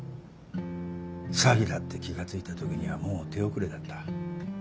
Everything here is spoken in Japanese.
詐欺だって気が付いた時にはもう手遅れだった。